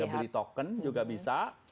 beli token juga bisa